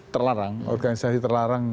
terlarang organisasi terlarang